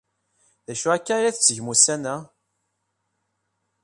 D acu akka ay la tettgem ussan-a?